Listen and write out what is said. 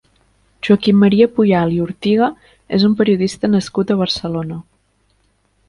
Joaquim Maria Puyal i Ortiga és un periodista nascut a Barcelona.